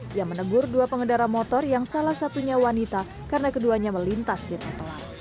dia menegur dua pengendara motor yang salah satunya wanita karena keduanya melintas di trotoar